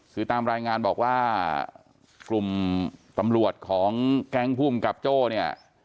คือตามรายงานบอกว่ากลุ่มตำรวจของแก๊งภูมิกับโจ้เนี่ย